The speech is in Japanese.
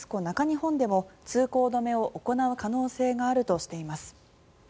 中日本でも通行止めを行う可能性があるとしています。